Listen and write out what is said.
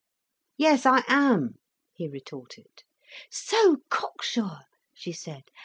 "Yes, I am," he retorted. "So cocksure!" she said.